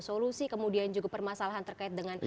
solusi kemudian juga permasalahan terkait dengan